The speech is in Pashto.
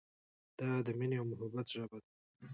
دا د مینې او محبت ژبه ده.